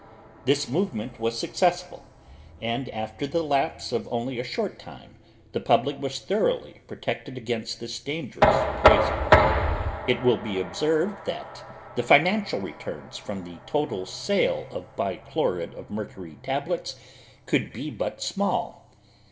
This movement was successful, and after the lapse of only a short time the public was thoroughly protected against this dangerous poison. It will be observed that the financial returns from the total sale of bichlorid of mercury tablets could be but small.